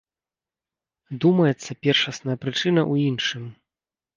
Думаецца, першасная прычына ў іншым.